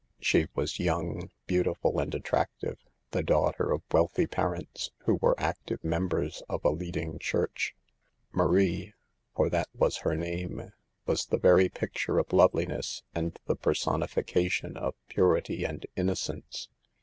She was young, beautiful and attrac tive ; the daughter of wealthy parents, who were active members of a leading church. Marie — for that was her name — was the very picture of loveliness and the personification of purity and innocence.